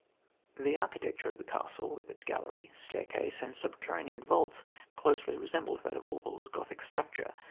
The architecture of the castle, with its gallery, staircase and subterranean vaults, closely resembles that of Walpole's Gothic structure.